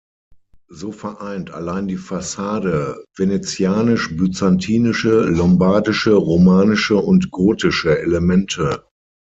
So vereint allein die Fassade venezianisch-byzantinische, lombardische-romanische und gotische Elemente.